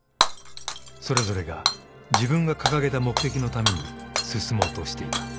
［それぞれが自分が掲げた目的のために進もうとしていた］